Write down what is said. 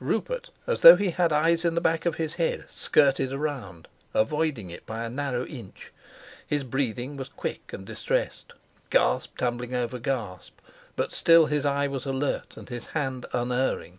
Rupert, as though he had eyes in the back of his head, skirted round, avoiding it by a narrow inch. His breathing was quick and distressed, gasp tumbling over gasp, but still his eye was alert and his hand unerring.